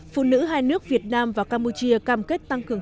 phụ nữ hai nước việt nam và campuchia cam kết tăng cường